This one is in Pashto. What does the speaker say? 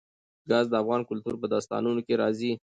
ګاز د افغان کلتور په داستانونو کې راځي.